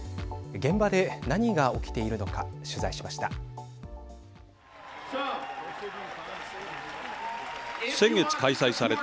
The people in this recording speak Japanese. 現場で何が起きているのか取材しました。